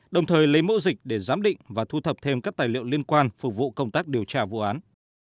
đồng thời lấy mẫu dịch để giám định và thu thập thêm các tài liệu liên quan phục vụ công tác điều tra vụ án